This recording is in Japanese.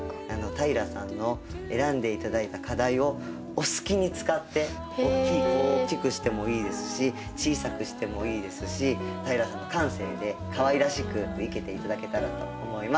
平さんの選んで頂いた花材をお好きに使って大きいこう大きくしてもいいですし小さくしてもいいですし平さんの感性でかわいらしく生けて頂けたらと思います。